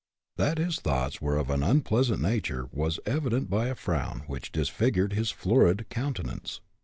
That his thoughts were of an unpleasant nature was evident by a frown which disfigured his florid countenance.